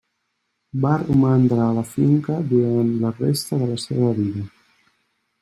Va romandre a la finca durant la resta de la seva vida.